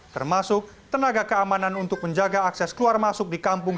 termasuk tenaga keamanan untuk menjaga akses keluar masuk di kampung